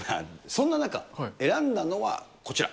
そんな中、選んだのはこちら。